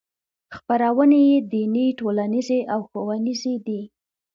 خپرونې یې دیني ټولنیزې او ښوونیزې دي.